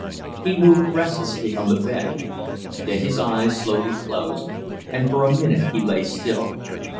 He moved restlessly on the bed. Then his eyes slowly closed, and for a minute he lay still.